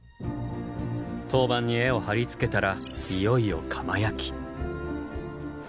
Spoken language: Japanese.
陶板に絵を貼り付けたらいよいよ窯焼き。